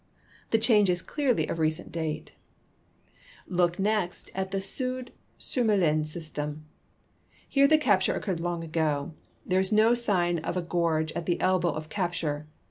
The change is clearly of recent date, • Look next at the Soude Surmelin system. 1 fere the capture occurred long ago; there is no sign of a gorge at the elbow of capture.